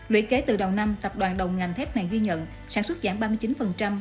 luyện kể từ đầu năm tập đoàn đầu ngành thép này ghi nhận sản xuất giảm ba mươi chín